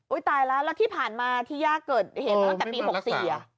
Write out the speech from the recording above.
อุ๊ยตายแล้วแล้วที่ผ่านมาที่ย่าเกิดเห็นตั้งแต่ปี๖๔